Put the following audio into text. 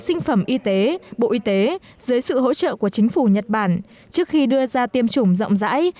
sinh phẩm y tế dưới sự hỗ trợ của chính phủ nhật bản trước khi đưa ra tiêm chủng rộng rãi